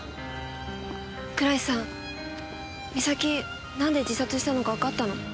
倉石さん美咲なんで自殺したのかわかったの？